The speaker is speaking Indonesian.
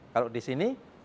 kalau di sini